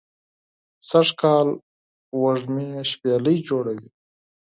سږ کال وږمې شپیلۍ جوړوی